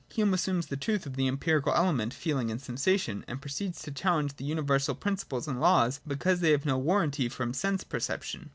Hume assumes the truth of the empirical element, feeling and sensation, and proceeds to challenge universal principles and laws, because they have no warranty from sense perception.